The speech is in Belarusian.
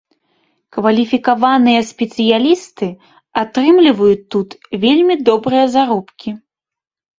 Кваліфікаваныя спецыялісты атрымліваюць тут вельмі добрыя заробкі.